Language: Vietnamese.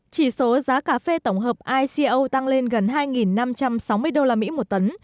chỉ số giá cà phê tổng hợp ico tăng lên gần hai năm trăm sáu mươi đô la mỹ một tấn